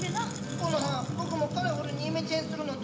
コノハ僕もカラフルにイメチェンするのどう？